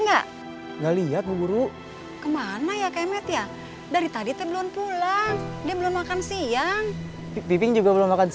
kalo yusuf kamu liat gak